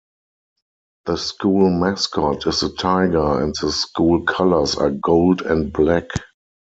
The school mascot is the Tiger and the school colors are gold and black.